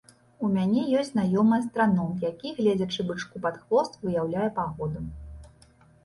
У мяне ёсць знаёмы астраном, які, гледзячы бычку пад хвост, выяўляе пагоду.